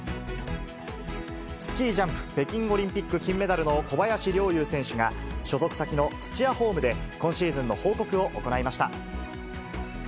スキージャンプ北京オリンピック金メダルの小林陵侑選手が、所属先の土屋ホームで、今シーズンの報告を行いました。